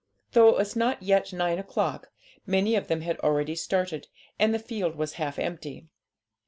Though it was not yet nine o'clock, many of them had already started, and the field was half empty.